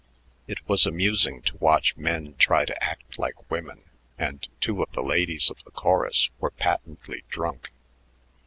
It was amusing to watch men try to act like women, and two of the "ladies" of the chorus were patently drunk.